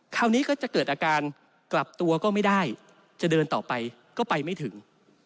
คราวนี้ก็จะเกิดอาการกลับตัวก็ไม่ได้จะเดินต่อไปก็ไปไม่ถึง